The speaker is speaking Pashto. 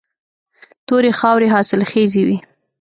تورې خاورې حاصلخیزې وي.